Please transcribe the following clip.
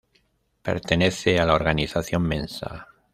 Pertenece a la organización Mensa.